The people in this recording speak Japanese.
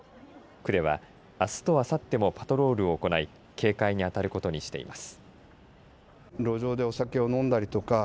区では、あすとあさってもパトロールを行い警戒にあたることにしています。